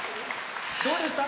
どうでした？